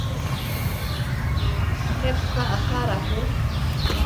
Jepú ka akará jú?